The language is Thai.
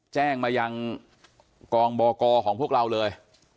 แจ้งมายังกองบกของพวกเราเลย